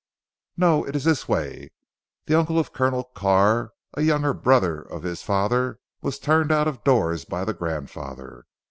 "No. It is this way. The uncle of Colonel Carr, a younger brother of his father was turned out of doors by the grandfather.